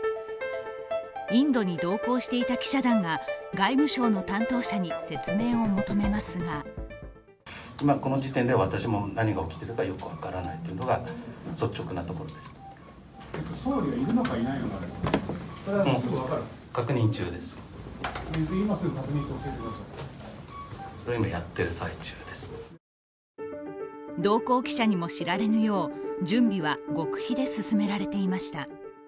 インドに同行していた記者団が外務省の担当者に説明を求めますが同行記者にも知れぬよう、準備は極秘で進められていました。